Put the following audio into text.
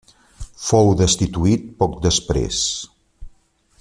Fou destituït poc després.